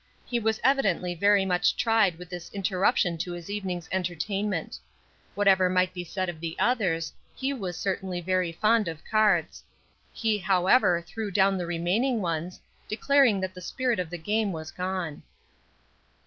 He was evidently very much tried with this interruption to his evening's entertainment. Whatever might be said of the others, he was certainly very fond of cards. He, however, threw down the remaining ones, declaring that the spirit of the game was gone.